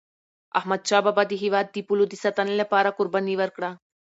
احمدشاه بابا د هیواد د پولو د ساتني لپاره قرباني ورکړه.